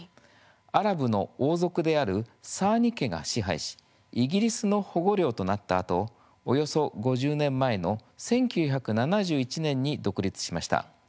アラブの王族であるサーニ家が支配しイギリスの保護領となったあとおよそ５０年前の１９７１年に独立しました。